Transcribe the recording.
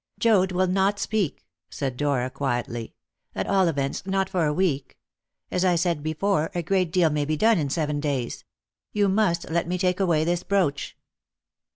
"Joad will not speak," said Dora quietly; "at all events, not for a week. As I said before, a great deal may be done in seven days. You must let me take away this brooch."